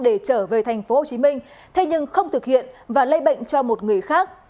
để trở về tp hcm thế nhưng không thực hiện và lây bệnh cho một người khác